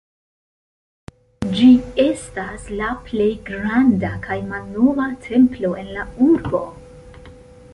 Ĝi estas la plej granda kaj malnova templo en la urbo.